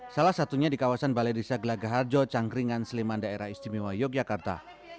salah satunya di kawasan balai desa gelagah harjo cangkringan seleman daerah istimewa yogyakarta